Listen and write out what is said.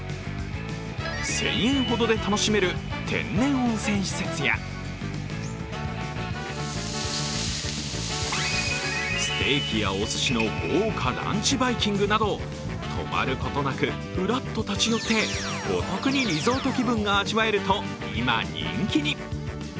１０００円ほどで楽しめる天然温泉施設やステーキやおすしのランチバイキングなど、泊まることなくふらっと立ち寄ってお得にリゾート気分が味わえると今、人気に。